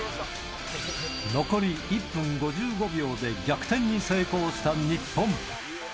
残り１分５５秒で逆転に成功した日本。